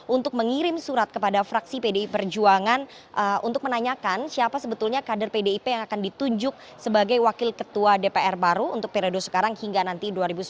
untuk mengirim surat kepada fraksi pdi perjuangan untuk menanyakan siapa sebetulnya kader pdip yang akan ditunjuk sebagai wakil ketua dpr baru untuk periode sekarang hingga nanti dua ribu sembilan belas